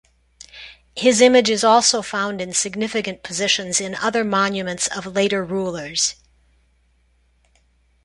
His image is also found in significant positions in other monuments of later rulers.